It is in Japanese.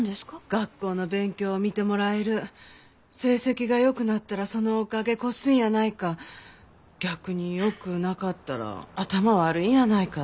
学校の勉強見てもらえる成績がよくなったらそのおかげこっすいんやないか逆によくなかったら頭悪いんやないかって。